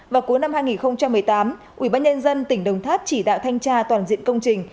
vào cuối năm hai nghìn một mươi tám ubnd tỉnh đồng tháp chỉ đạo thanh tra toàn diện công trình